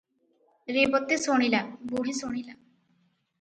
ରେବତୀ ଶୁଣିଲା, ବୁଢ଼ୀ ଶୁଣିଲା ।